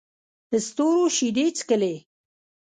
ستورو شیدې چښلې